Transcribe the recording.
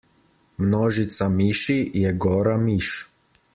Množica miši je gora miš.